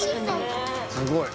「すごい。